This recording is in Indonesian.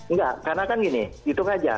enggak karena kan gini hitung aja